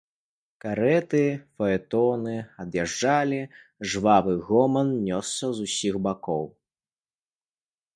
Карэты, фаэтоны ад'язджалі, жвавы гоман нёсся з усіх бакоў.